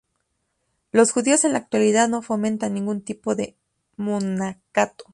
Los judíos en la actualidad no fomentan ningún tipo de monacato.